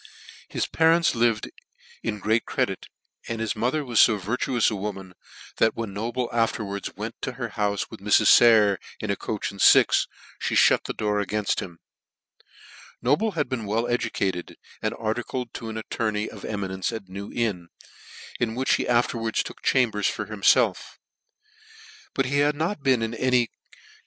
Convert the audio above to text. His parents lived in great credit, and his mother was fo vir tuous a woman, that when Noble afterwards went to her houfe with Mrs. >ayer, in a coach and fix, me fhut tHe door a^ air, ft him. Noble had been well educated, and Articled to an attorney of emi nence in iSew Inn, in wh ; ch he afterwards took chambers for himfelf ; but he ha,d not been in any con RICHARD NOBLE for Murder.